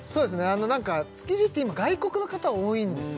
あのなんか築地って今外国の方多いんですよ